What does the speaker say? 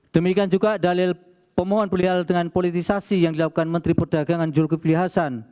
demikian juga dalil pemohon beliau dengan politisasi yang dilakukan menteri perdagangan zulkifli hasan